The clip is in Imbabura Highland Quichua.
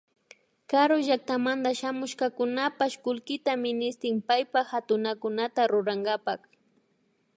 Karu llakatamanta shamushkakunapash kullkita ministin paypa hatunakunata rurankapak